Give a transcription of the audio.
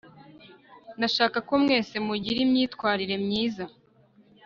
ndashaka ko mwese mugira imyitwarire myiza